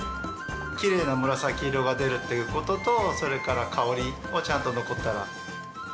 きれいな紫色が出るっていう事とそれから香りをちゃんと残ったら。